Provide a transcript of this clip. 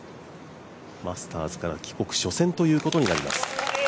マスターズから帰国初戦ということになります。